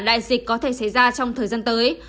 đại dịch có thể xảy ra trong thời gian tới